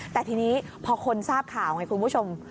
แต่ทีนี้พอคนทราบข่าวไงคุณผู้ชม